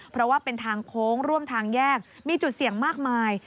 เพราะว่าเป็นทางโค้งร่วมทางแยกมีจุดเสี่ยงมากมาย